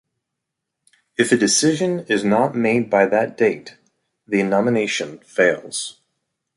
If a decision is not made by that date, the nomination fails.